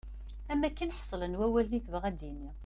Am wakken ḥeslen wawalen i tebɣa ad d-tini.